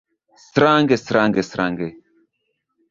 Strange, strange, strange.